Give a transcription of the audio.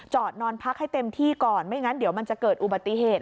นอนพักให้เต็มที่ก่อนไม่งั้นเดี๋ยวมันจะเกิดอุบัติเหตุ